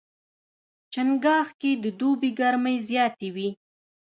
چنګاښ کې د دوبي ګرمۍ زیاتې وي.